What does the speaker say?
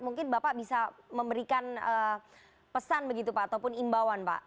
mungkin bapak bisa memberikan pesan begitu pak ataupun imbauan pak